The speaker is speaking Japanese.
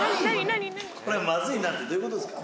「これマズイな」ってどういう事ですか？